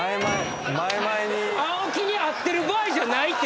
青木に会ってる場合じゃないっていうことや。